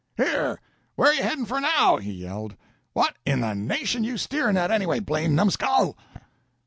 "Here! Where you headin' for now?" he yelled. "What in the nation you steerin' at, anyway? Blamed numskull!"